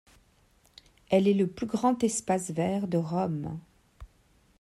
Elle est le plus grand espace vert de Rome.